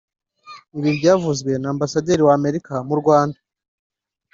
” ibi byavuzwe na Ambasaderi w’Amerika mu Rwanda